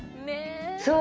そう！